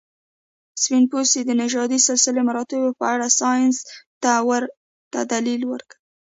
سپین پوستي د نژادي سلسله مراتبو په اړه ساینس ته ورته دلیل ورکوي.